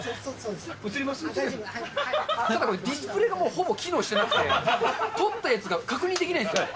なんか、ディスプレーがほぼ機能してなくて、撮ったやつが確認できないんですよ。